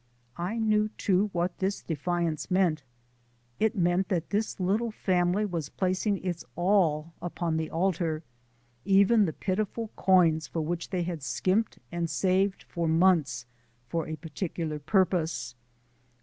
I knew too what this defiance meant. It meant that this little family was placing its all upon the altar even the pitiful coins for which they had skimped and saved for months for a particular purpose.